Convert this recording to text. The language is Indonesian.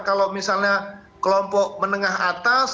kalau misalnya kelompok menengah atas